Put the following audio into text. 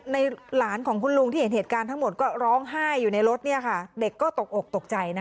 หลานของคุณลุงที่เห็นเหตุการณ์ทั้งหมดก็ร้องไห้อยู่ในรถเด็กก็ตกอกตกใจ